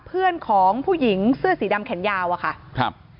เพื่อนของผู้หญิงเสื้อสีดำแขนยาวอะค่ะครับ